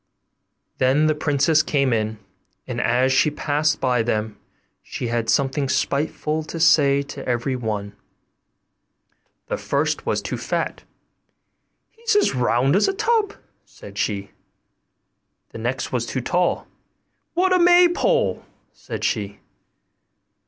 Then the princess came in, and as she passed by them she had something spiteful to say to every one. The first was too fat: 'He's as round as a tub,' said she. The next was too tall: 'What a maypole!' said she.